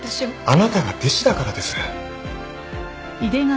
あなたが弟子だからです。